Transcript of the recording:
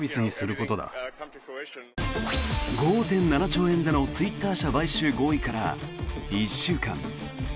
５．７兆円でのツイッター社買収合意から１週間。